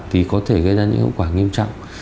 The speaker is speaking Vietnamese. thì có thể gây ra những hậu quả nghiêm trọng